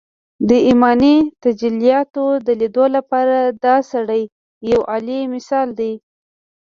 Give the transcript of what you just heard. د ايماني تجلياتو د ليدو لپاره دا سړی يو اعلی مثال دی